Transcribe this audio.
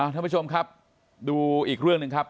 ท่านผู้ชมครับดูอีกเรื่องหนึ่งครับ